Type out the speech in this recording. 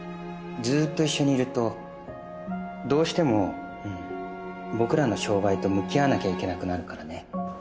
ずーっと一緒にいるとどうしても僕らの障害と向き合わなきゃいけなくなるからね